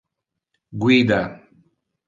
Guida.